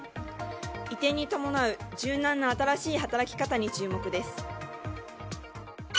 移転に伴う柔軟な新しい働き方に注目です。